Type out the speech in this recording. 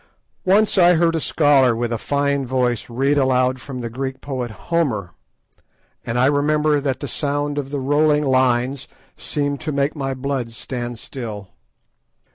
Once I heard a scholar with a fine voice read aloud from the Greek poet Homer, and I remember that the sound of the rolling lines seemed to make my blood stand still.